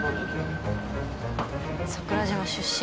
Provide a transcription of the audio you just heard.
桜島出身。